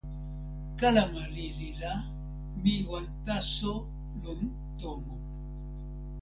kalama lili la, mi wan taso lon tomo.